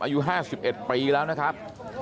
อายุ๕๑ปีแล้วนะครับ